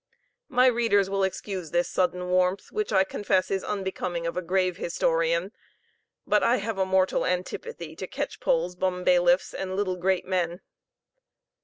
My readers will excuse this sudden warmth, which I confess is unbecoming of a grave historian; but I have a mortal antipathy to catchpolls, bumbailiffs, and little great men.